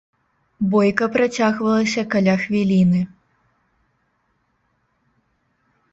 Бойка працягвалася каля хвіліны.